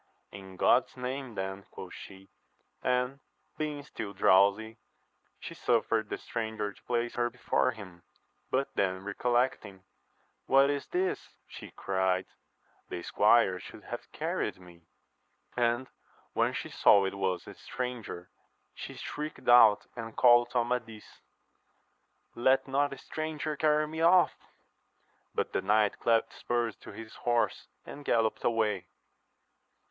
In God's name then, quoth she ; and, being still drowsy, she suffered the stranger to place her before him; but then recollecting. What is this 1 she cried : the squire should have carried me. And when she saw it was a stranger, she shrieked out and called to Amadis, Let not a stranger carry me off ! But the knight clapt spurs to his horse, and gallopped away.